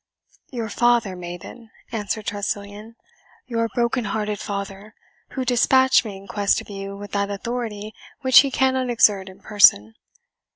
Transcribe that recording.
"Your father, maiden," answered Tressilian, "your broken hearted father, who dispatched me in quest of you with that authority which he cannot exert in person.